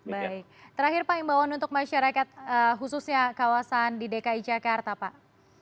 baik terakhir pak imbauan untuk masyarakat khususnya kawasan di dki jakarta pak